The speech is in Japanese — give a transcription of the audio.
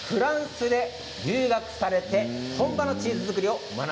その前にフランスに留学されて本場のチーズ作りを